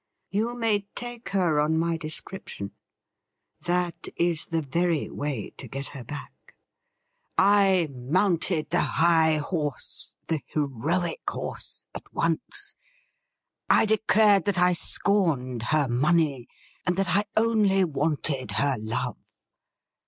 'You may take her on my description. That is the very way to get her back. I mounted the high^horse ^ the heroic horse — at once ! I declared that I .scorned .her money, and that I only wanted her love.